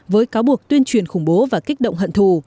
với cáo buộc tuyên truyền khủng bố và kích động hận thù